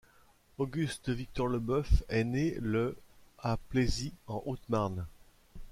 Auguste-Victor Lebeuf est né le à Blaisy en Haute-Marne.